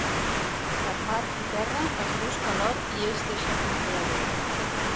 Per mar i terra es busca l'or i és deixat el Creador.